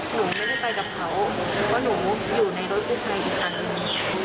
หนูไม่ได้ไปกับเขาเพราะหนูอยู่ในรถกู้ภัยอีกครั้งหนึ่ง